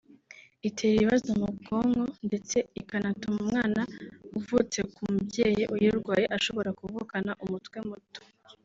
Itera ibibazo mu bwonko ndetse ikanatuma umwana uvutse ku mubyeyi uyirwaye ashobora kuvukana umutwe muto